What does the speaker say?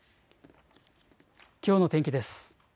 きょうの天気です。